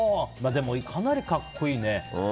でも、かなり格好いいね。